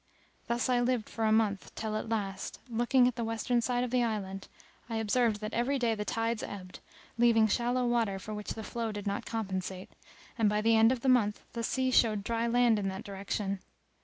Thus I lived for a month, till at last, looking at the western side of the island, I observed that every day the tides ebbed, leaving shallow water for which the flow did not compensate; and by the end of the month the sea showed dry land in that direction.